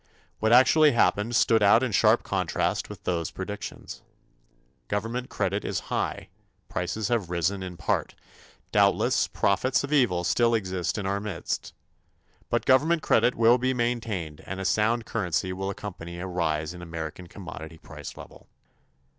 What actually happened stood out in sharp contrast with those predictions. Government credit is high, prices have risen in part. Doubtless prophets of evil still exist in our midst. But government credit will be maintained and a sound currency will accompany a rise in the American commodity price level.